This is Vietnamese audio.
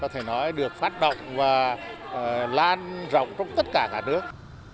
có thể nói được phát động và lan rộng trong tất cả cả nước